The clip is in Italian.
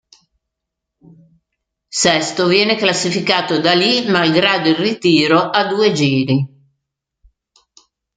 Sesto viene classificato Daly, malgrado il ritiro, a due giri.